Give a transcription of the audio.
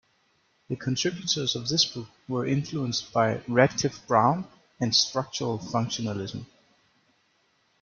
The contributors of this book were influenced by Radcliffe-Brown and structural functionalism.